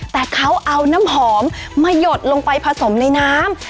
แต่เขาเอาน้ำหอมมาหยดลงไปผสมในน้ำ